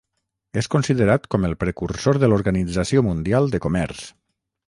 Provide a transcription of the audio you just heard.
És considerat com el precursor de l'Organització Mundial de Comerç.